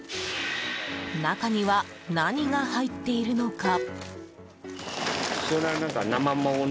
中には何が入っているのか。